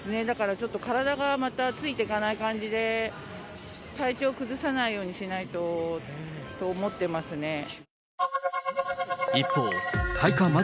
だからちょっと、体がまたついてかない感じで、体調崩さないようにしないとと思ってますね。